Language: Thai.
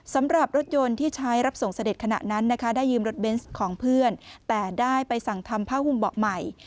สำหรับรถยนต์ที่ใช้รับส่งเสด็จขณะนั้นนะคะได้ยืมรถเบนส์ของเพื่อนแต่ได้ไปสั่งทำผ้าหุมเบาะใหม่